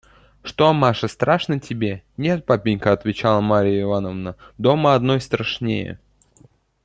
Что, Маша, страшно тебе?» – «Нет, папенька, – отвечала Марья Ивановна, – дома одной страшнее».